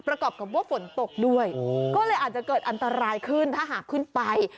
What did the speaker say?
ประกอบกับว่าฝนตกด้วยก็เลยอาจจะเกิดอันตรายขึ้นถ้าหากขึ้นไป